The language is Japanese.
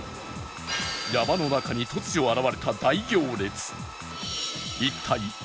山の中に突如現れた大行列